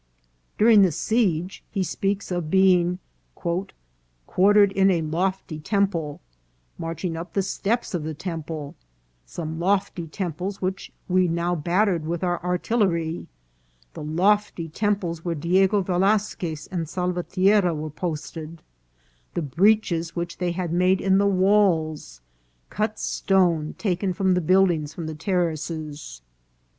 During the siege he speaks of being " quartered in a lofty temple;" "marching up the steps of the temple;" " some lofty temples which we now battered with our ar tillery ;"" the lofty temples where Diego Velasquez and Salvatierra were posted ;"" the breaches which they had made in the walls ;" "cut stone taken from the build ings from the terraces."